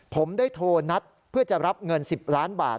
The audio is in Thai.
ผมได้โทรนัดเพื่อจะรับเงิน๑๐ล้านบาท